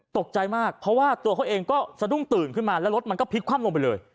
ตกใจมากเพราะว่าตัวเขาเองก็สะดุ้งตื่นขึ้นมาแล้วรถมันก็พลิกคว่ำลงไปเลย